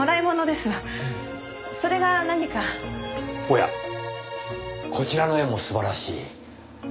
おやこちらの絵も素晴らしい。